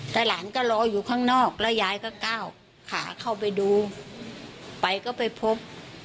แต่หลานก็รออยู่ข้างนอกแล้วยายก็ก้าวขาเข้าไปดูไปก็ไปพบ